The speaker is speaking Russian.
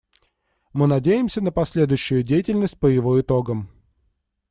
Мы надеемся на последующую деятельность по его итогам.